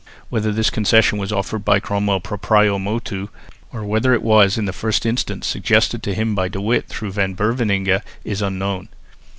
Whether this concession was offered by Cromwell proprio motu or whether it was in the first instance suggested to him by De Witt through Van Beverningh is unknown.